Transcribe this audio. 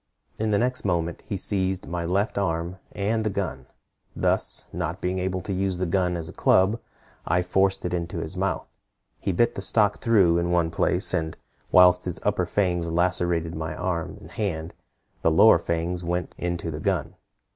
In the next moment he seized my left arm, and the gun. Thus, not being able to use the gun as a club, I forced it into his mouth. He bit the stock through in one place, and whilst his upper fangs lacerated my arm and hand, the lower fangs went into the gun.